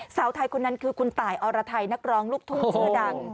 สาวไทยคนนั้นคือคุณตายอรไทยนักร้องลูกทุ่งชื่อดัง